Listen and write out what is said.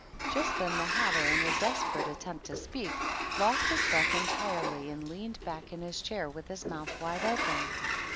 Just then the Hatter, in a desperate at tempt to speak, lost his breath entirely and leaned back in his chair with his mouth wide open.